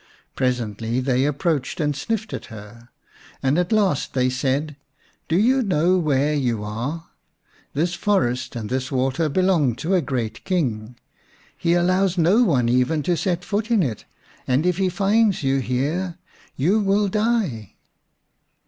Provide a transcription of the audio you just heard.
Presently they approached and sniffed at her, and at last they said, " Do you know where you are ? This forest and this water belong to a great King. He allows no one even to set foot in it, and if he finds you here you will die."